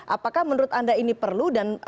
apakah menurut anda ini perlu dan